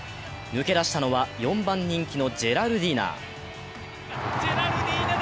抜け出したのは４番人気のジェラルディーナ。